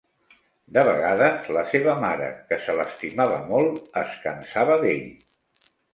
De vegades, la seva mare, que se l'estimava molt, es cansava d'ell.